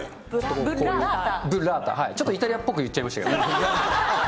ちょっとイタリアっぽく言っちゃいましたけど。